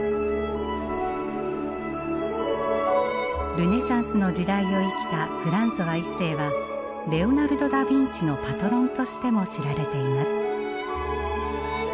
ルネサンスの時代を生きたフランソワ一世はレオナルド・ダビンチのパトロンとしても知られています。